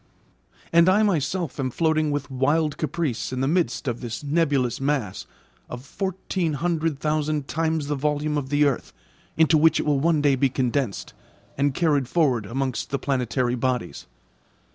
And I myself am floating with wild caprice in the midst of this nebulous mass of fourteen hundred thousand times the volume of the earth into which it will one day be condensed, and carried forward amongst the planetary bodies.